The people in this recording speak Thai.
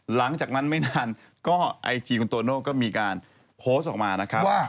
หลังจากนั้นไม่นานก็ไอจีคุณโตโน่ก็มีการโพสต์ออกมานะครับว่า